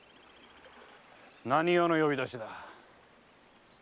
何用の呼び出しだ？